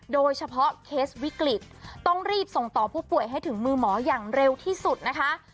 โดยเฉพาะเคสวิกฤตต้องรีบส่งต่อผู้ป่วยให้ถึงมือหมออย่างเร็วที่สุดนะคะ